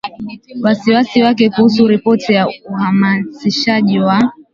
wasiwasi wake kuhusu ripoti ya uhamasishaji wa